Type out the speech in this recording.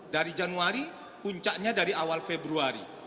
dari januari puncaknya dari awal februari